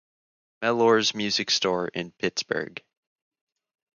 Mellor's music store in Pittsburgh.